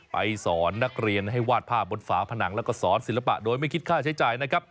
สอนนักเรียนให้วาดภาพบนฝาผนังแล้วก็สอนศิลปะโดยไม่คิดค่าใช้จ่ายนะครับ